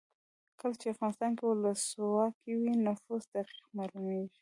کله چې افغانستان کې ولسواکي وي نفوس دقیق مالومیږي.